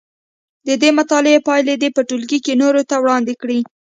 د دې مطالعې پایلې دې په ټولګي کې نورو ته وړاندې کړي.